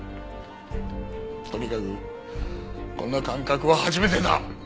とにかくこんな感覚は初めてだ。